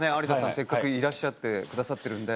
せっかくいらっしゃってくださってるんで。